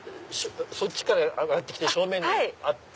そっちから上がって来て正面にあった。